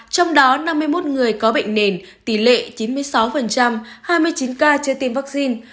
trong đó năm mươi một người có bệnh nền tỷ lệ chín mươi sáu hai mươi chín ca chưa tiêm vaccine